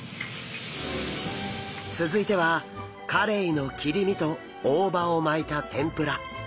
続いてはカレイの切り身と大葉を巻いた天ぷら。